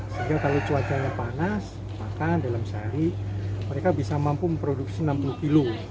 sehingga kalau cuacanya panas makan dalam sehari mereka bisa mampu memproduksi enam puluh kilo